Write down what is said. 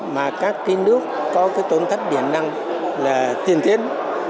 mà các đại biểu tham dự có tổn thất điện năng là tiền thiết